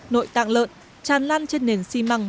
nội tạng lợn tràn lan trên nền xi măng